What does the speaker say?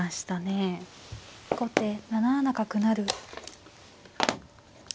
後手７七角成。